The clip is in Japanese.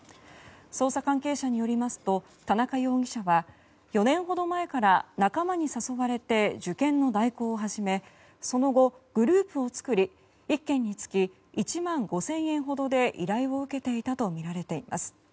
捜査関係者によりますと田中容疑者は４年ほど前から仲間に誘われて受験の代行を始めその後、グループを作り１件につき１万５０００円ほどで依頼を受けていたとみられています。